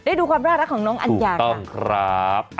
ดูความน่ารักของน้องอัญญาถูกต้องครับ